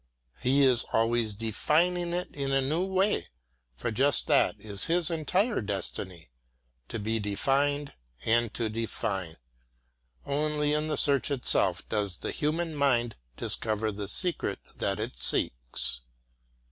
He is always defining it in a new way, for just that is his entire destiny, to be defined and to define. Only in the search itself does the human mind discover the secret that it seeks.